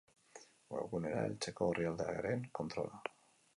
Webgunera heltzeko orrialdearen kontrola.